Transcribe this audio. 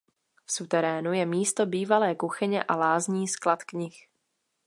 V suterénu je místo bývalé kuchyně a lázní sklad knih.